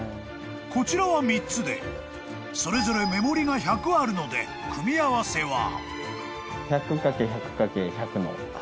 ［こちらは３つでそれぞれメモリが１００あるので組み合わせは］